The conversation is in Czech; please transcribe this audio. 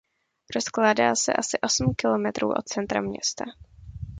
Rozkládá se asi osm kilometrů od centra města.